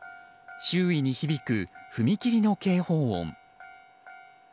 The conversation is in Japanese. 周囲に響く踏切の警報音。